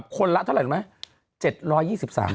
คนละเท่าไหร่รู้ไหม